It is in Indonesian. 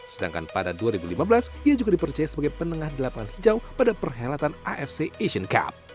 sedangkan pada dua ribu lima belas ia juga dipercaya sebagai penengah di lapangan hijau pada perhelatan afc asian cup